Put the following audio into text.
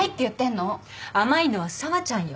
甘いのは紗和ちゃんよ。